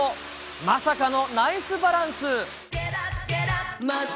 まさかのナイスバランス。